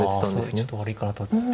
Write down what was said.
ちょっと悪いかなと思って。